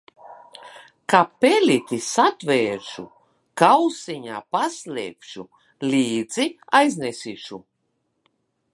Kā pelīti satveršu, kausiņā paslēpšu, līdzi aiznesīšu.